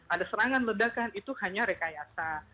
ada serangan ledakan itu hanya rekayasa